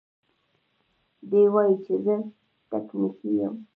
دى وايي چې زه يې ټکټنى يم.